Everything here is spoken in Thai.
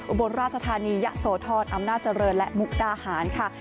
บนราชธานียะโสธรอำนาจเจริญและมุกดาหารค่ะ